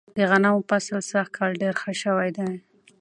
د غنمو فصل سږ کال ډیر ښه شوی دی.